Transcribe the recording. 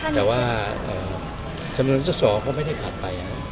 แต่ว่าสมมุติว่าสอสอเขาไม่ได้ถัดไปนะเลย